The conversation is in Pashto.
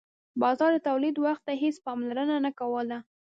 بازار د تولید وخت ته هیڅ پاملرنه نه کوله.